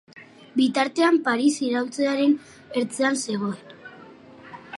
Bitartean Paris iraultzaren ertzean zegoen.